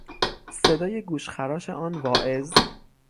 صدای گوشخراش آن واعظ